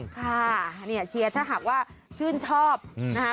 ค่ะเนี่ยเชียร์ถ้าหากว่าชื่นชอบนะคะ